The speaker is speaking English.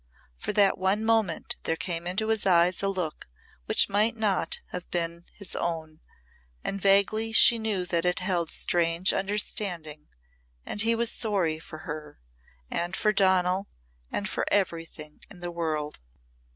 For that one moment there came into his eyes a look which might not have been his own, and vaguely she knew that it held strange understanding and he was sorry for her and for Donal and for everything in the world.